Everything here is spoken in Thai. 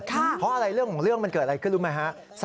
เพราะอะไรเรื่องของเรื่องมันเกิดอะไรขึ้นรู้ไหมฮะ